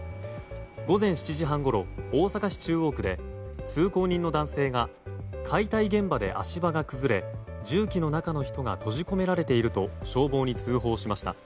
午前７時半ごろ大阪市中央区で通行人の男性が解体現場で足場が崩れ重機の中の人が閉じ込められていると消防に通報しました。